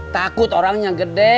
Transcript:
takut orangnya gede